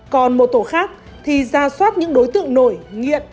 còn một tổ khác thì ra soát những đối tượng nổi nghiện